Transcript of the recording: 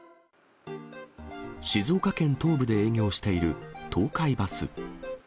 静岡県東部で営業している東海バス。